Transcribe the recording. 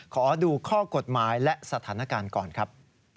ขอดูข้อกฎหมายและสถานการณ์ก่อนครับ